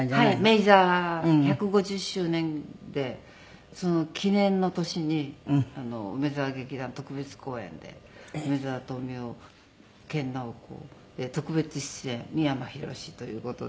明治座１５０周年でその記念の年に『梅沢劇団特別公演』で梅沢富美男研ナオコで特別出演三山ひろしという事で。